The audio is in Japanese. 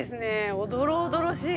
おどろおどろしい。